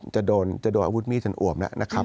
จะโดนอาวุธมีส์จนอวมแล้ว